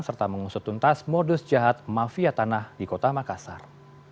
serta mengusutuntas modus jahat mafia tanah di kota makassar